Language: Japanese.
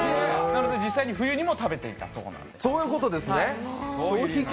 なので実際に冬にも食べていたそうです。